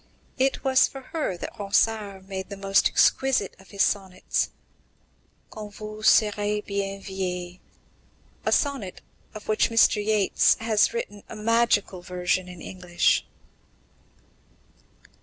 It was for her that Ronsard made the most exquisite of his sonnets: Quand vous serez bien vieille a sonnet of which Mr. Yeats has written a magical version in English.